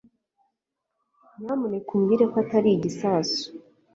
nyamuneka umbwire ko atari igisasu